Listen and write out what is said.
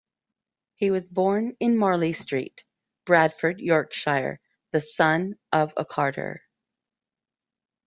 He was born in Marley Street, Bradford, Yorkshire, the son of a carter.